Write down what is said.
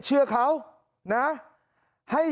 เชื่อเขานะ